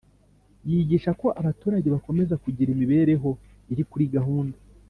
yigisha ko abaturage bakomeza kugira imibereho iri kuri gahunda